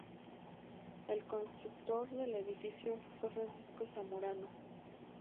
El constructor del edificio fue Francisco Zamorano.